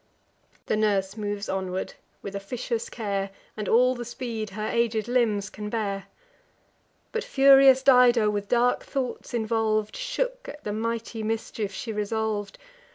The nurse moves onward, with officious care, And all the speed her aged limbs can bear. But furious Dido, with dark thoughts involv'd, Shook at the mighty mischief she resolv'd.